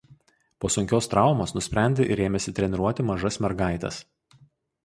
Po sunkios traumos nusprendė ir ėmėsi treniruoti mažas mergaites.